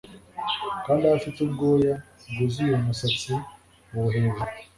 kandi aho afite ubwoya bwuzuye umusatsi ubu hejuru